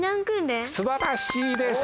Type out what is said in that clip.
素晴らしいです！